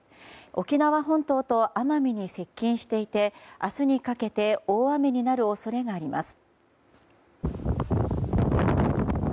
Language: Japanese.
沖縄本島と奄美に接近していて明日にかけて大雨になる恐れがあります。